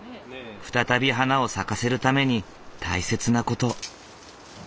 再び花を咲かせるために大切な事。